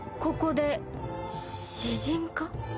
ここで詩人か？